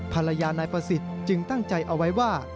ภรรยานายภาษิชน์จึงตั้งใจเอาไว้ว่า